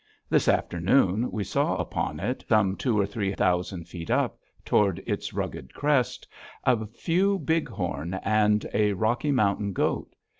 This afternoon we saw upon it, some two or three thousand feet up toward its rugged crest, a few bighorn and a Rocky Mountain goat.